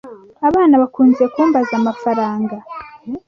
abana bakunze kumbaza amafaranga